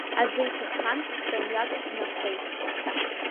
Аӡы иҭаххан ҿамҩак днахәеит.